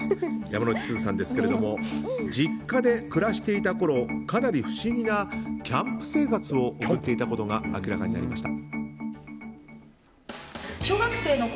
山之内すずさんですけれども実家で暮らしていたころかなり不思議なキャンプ生活を送っていたことが明らかになりました。